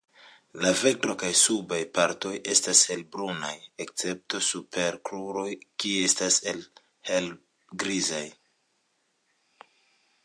La ventro kaj subaj partoj estas helbrunaj, escepto super kruroj kie estas helgrizaj.